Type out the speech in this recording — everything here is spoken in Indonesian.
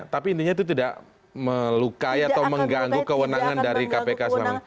tapi intinya itu tidak melukai atau mengganggu kewenangan dari kpk selama ini